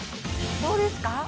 どうですか？